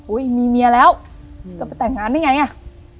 อุ้ยมีเมียแล้วจะไปแต่งงานได้ไงเนี้ย